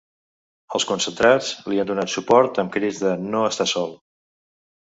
Els concentrats li han donat suport amb crits de ‘No estàs sol’.